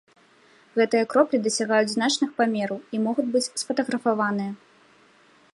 Гэтыя кроплі дасягаюць значных памераў і могуць быць сфатаграфаваныя.